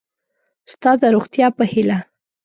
ستا د روغتیا په هیله